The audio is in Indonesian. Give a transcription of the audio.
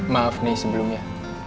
maaf nih sebelumnya